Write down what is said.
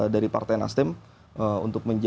dari partai nasdem untuk